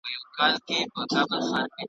په پنجرو کي له چیغاره سره نه جوړیږي .